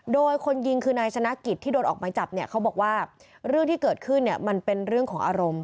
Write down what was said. โดยคนยิงคือนายชนะกิจที่โดนออกไม้จับเนี่ยเขาบอกว่าเรื่องที่เกิดขึ้นเนี่ยมันเป็นเรื่องของอารมณ์